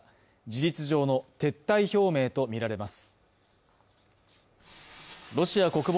事実上の撤退表明とみられます。